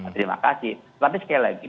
terima kasih tapi sekali lagi